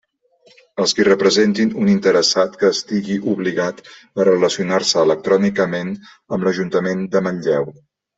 Els qui representin un interessat que estigui obligat a relacionar-se electrònicament amb l'Ajuntament de Manlleu.